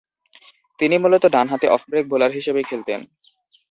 তিনি মূলতঃ ডানহাতি অফ ব্রেক বোলার হিসেবে খেলতেন।